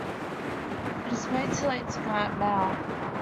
It's way too late to go out now.